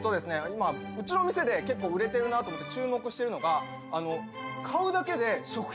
今うちの店で結構売れてるなと思って注目してるのが。